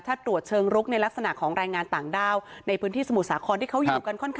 ถ้าตรวจเชิงลุกในลักษณะของแรงงานต่างด้าวในพื้นที่สมุทรสาครที่เขาอยู่กันค่อนข้าง